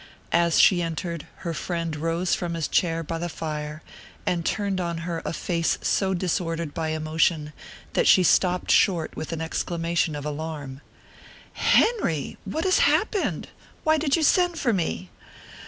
As she entered, her friend rose from his chair by the fire, and turned on her a face so disordered by emotion that she stopped short with an exclamation of alarm. "Henry what has happened? Why did you send for me?"